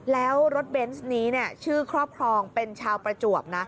แล้วรถเบนส์นี้ชื่อครอบครองเป็นชาวประจวบนะ